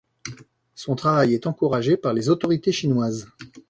Son travail est encouragé par les autorités chinoises.